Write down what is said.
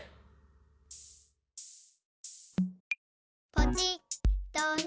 「ポチッとね」